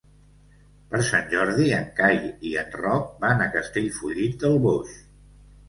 Per Sant Jordi en Cai i en Roc van a Castellfollit del Boix.